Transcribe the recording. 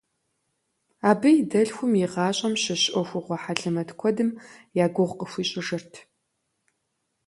Абы и дэлъхум и гъащӏэм щыщ ӏуэхугъуэ хьэлэмэт куэдым я гугъу къыхуищӏыжырт.